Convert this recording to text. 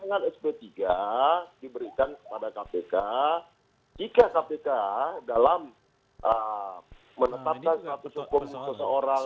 dengan sp tiga diberikan kepada kpk jika kpk dalam menetapkan status hukum seseorang